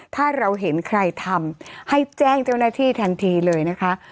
ถ้าเราเห็นใครทำให้แจ้งเจ้าหน้าที่ทันทีเลยนะคะ